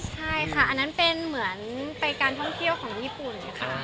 ใช่ค่ะอันนั้นเป็นเหมือนไปการท่องเที่ยวของญี่ปุ่นค่ะ